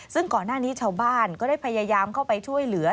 ซึ่งก่อนหน้านี้ชาวบ้านก็ได้พยายามเข้าไปช่วยเหลือ